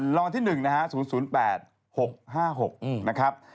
รองที่หนึ่ง๐๐๘๖๕๖นะครับ